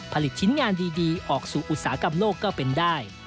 ผลิตชิ้นงานดีออกสู่อุตสาหกรรมโลกก็เป็นได้